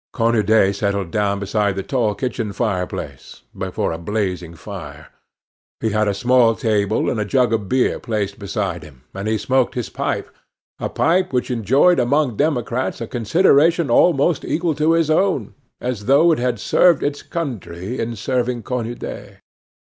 Cornudet settled down beside the tall kitchen fireplace, before a blazing fire. He had a small table and a jug of beer placed beside him, and he smoked his pipe a pipe which enjoyed among democrats a consideration almost equal to his own, as though it had served its country in serving Cornudet.